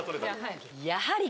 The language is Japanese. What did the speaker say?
やはり。